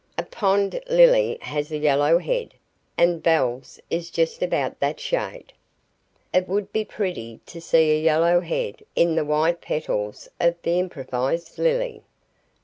"A pond lily has a yellow head, and Belle's is just about that shade." It would be pretty to see a yellow head in the white peals of the improvised lily.